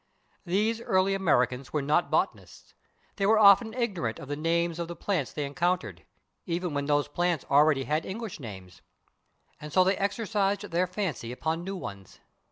These early Americans were not botanists. They were often ignorant of the names of the plants they encountered, even when those plants already had English names, and so they exercised their fancy upon new ones.